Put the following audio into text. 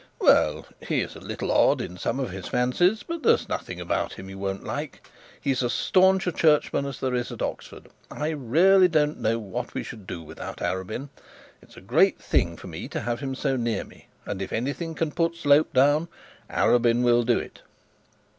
'Well he is a little odd in some of his fancies; but there's nothing about him you won't like. He is as staunch a churchman as there is at Oxford. I really don't know what we should do without Arabin. It's a great thing for me to have him so near me; and if anything can put Slope down, Arabin will do it.'